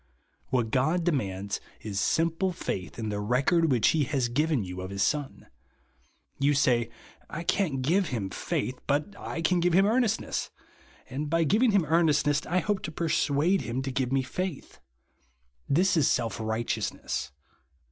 Who t God demands is simple faith in the record which he has given you of his Son. You say, I can't give him faith, but I can give him earnestness ; and by giving him ertrnest ness, I hope to persuade him to give me faith. This is self righteousness.